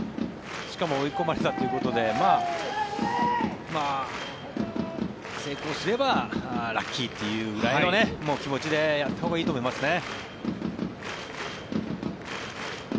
しかも追い込まれたっていうことで成功すればラッキーというくらいの気持ちでやったほうがいいと思いますね。